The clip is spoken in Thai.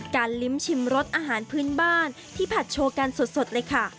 ลิ้มชิมรสอาหารพื้นบ้านที่ผัดโชว์กันสดเลยค่ะ